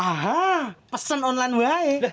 aha pesan online baik